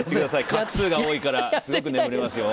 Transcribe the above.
画数が多いからすごく眠れますよ。